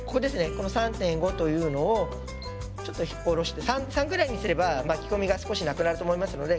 この３．５というのをちょっと下ろして３ぐらいにすれば巻き込みが少しなくなると思いますので。